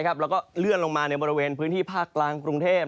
แล้วก็เลื่อนลงมาในบริเวณพื้นที่ภาคกลางกรุงเทพ